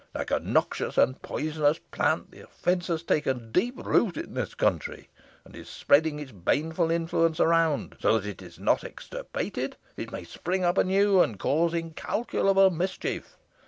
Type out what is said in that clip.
Like a noxious and poisonous plant, the offence has taken deep root in this country, and is spreading its baneful influence around, so that, if it be not extirpated, it may spring up anew, and cause incalculable mischief.